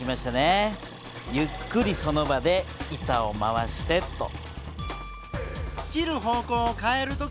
ゆっくりその場で板を回してと。